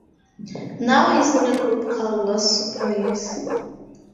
Now he's in a group called Los Super Reyes.